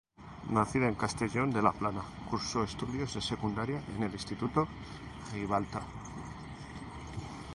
Nacida en Castellón de la Plana, cursó estudios de secundaria en el Instituto Ribalta.